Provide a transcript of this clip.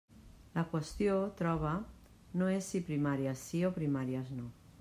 La qüestió, trobe, no és si primàries sí o primàries no.